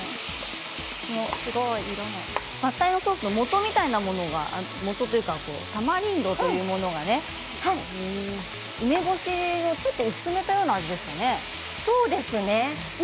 パッタイソースのもとみたいなものがタマリンドというものが梅干しを、ちょっと薄めたようなそうですね。